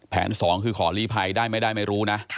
สองคือขอลีภัยได้ไม่ได้ไม่รู้นะ